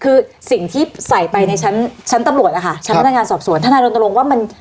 คือสิ่งที่ใส่ไปในชั้นชั้นตำรวจนะคะชั้นพนักงานสอบสวนทนายรณรงค์ว่ามัน